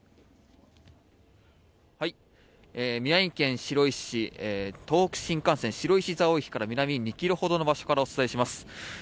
宮城県白石東北新幹線白石蔵王駅から南に２キロほどの場所からお伝えします。